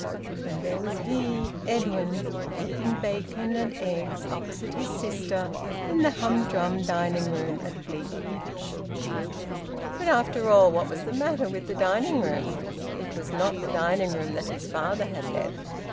And there was he, Edwin, eating bacon and eggs opposite his sister in the humdrum dining room at Bleakridge. But after all, what was the matter with the dining room? It was not the dining room that his father had left.